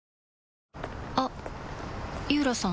あっ井浦さん